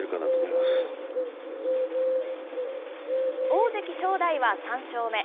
大関・正代は３勝目。